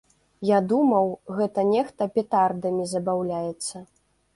Я думаў, гэта нехта петардамі забаўляецца.